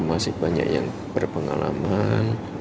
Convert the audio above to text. masih banyak yang berpengalaman